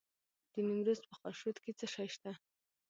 د نیمروز په خاشرود کې څه شی شته؟